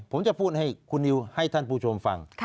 ผมจะพูดให้คุณนิวให้ท่านผู้ชมฟัง